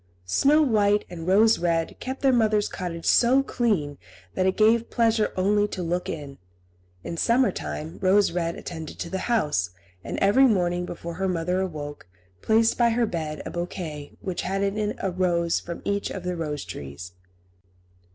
Snow White and Rose Red kept their mother's cottage so clean that it gave pleasure only to look in. In summer time Rose Red attended to the house, and every morning, before her mother awoke, placed by her bed a bouquet which had in it a rose from each of the rose trees.